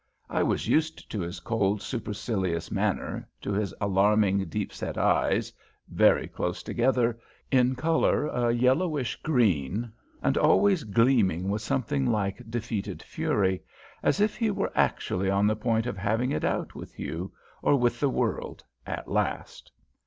I was used to his cold, supercilious manner, to his alarming, deep set eyes, very close together, in colour a yellowish green, and always gleaming with something like defeated fury, as if he were actually on the point of having it out with you, or with the world, at last.